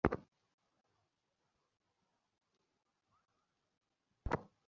বটু বললে, ছী ছী অতীনবাবু, বক্তৃতার ভ্রূণহত্যা?